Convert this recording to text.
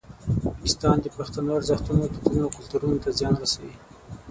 پاکستان د پښتنو ارزښتونه، دودونه او کلتور ته زیان رسوي.